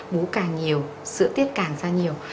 bú càng nhiều sữa tiết càng ra nhiều